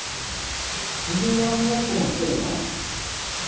自分で歯みがき粉もつけるの？